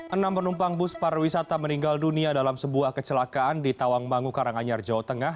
enam penumpang bus pariwisata meninggal dunia dalam sebuah kecelakaan di tawangmangu karanganyar jawa tengah